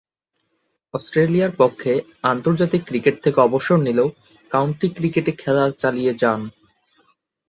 অস্ট্রেলিয়ার পক্ষে আন্তর্জাতিক ক্রিকেট থেকে অবসর নিলেও কাউন্টি ক্রিকেটে খেলা চালিয়ে যান।